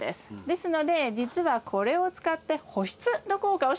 ですのでじつはこれを使って保湿の効果をします。